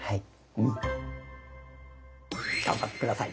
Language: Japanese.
うん。頑張って下さい。